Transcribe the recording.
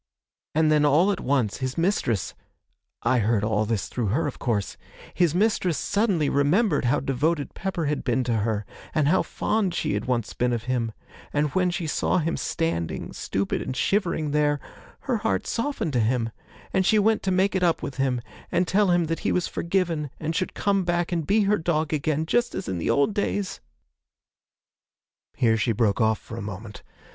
And then all at once, his mistress I heard all this through her, of course his mistress suddenly remembered how devoted Pepper had been to her, and how fond she had once been of him, and when she saw him standing, stupid and shivering, there, her heart softened to him, and she went to make it up with him, and tell him that he was forgiven and should come back and be her dog again, just as in the old days! ' Here she broke off for a moment.